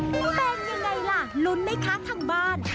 เป็นยังไงล่ะลุ้นไหมคะทางบ้าน